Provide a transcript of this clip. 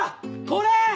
これ！